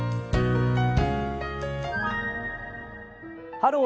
「ハロー！